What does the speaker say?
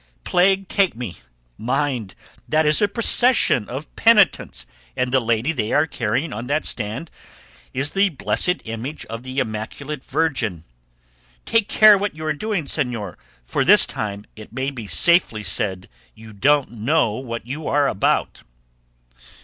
Plague take me! mind, that is a procession of penitents, and the lady they are carrying on that stand there is the blessed image of the immaculate Virgin. Take care what you are doing, señor, for this time it may be safely said you don't know what you are about."